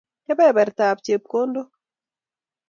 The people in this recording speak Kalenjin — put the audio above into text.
Kebebertab chepkondok